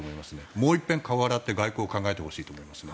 もう一遍、顔を洗って外交を考えてほしいと思います。